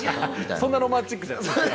そんなロマンチックじゃない。